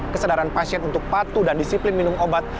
kesadaran pasien untuk patuh dan disiplin minum obat